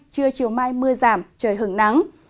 trưa chiều mai mưa giảm trời hứng nắng